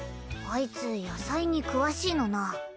アイツ野菜に詳しいのな。